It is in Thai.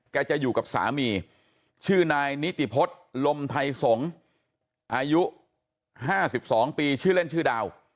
แกจะอยู่กับสามีชื่อนายนิติพศลมไทยสงอายุห้าสิบสองปีชื่อเล่นชื่อดาว